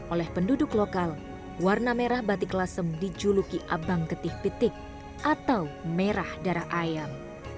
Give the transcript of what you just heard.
oleh penduduk lokal warna merah batik lasem dijuluki abang ketih pitik atau merah darah ayam